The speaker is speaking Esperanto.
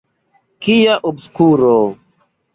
Kia obskuro!